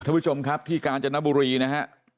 ท่านผู้ชมครับที่กาญจนบุรีนะฮะ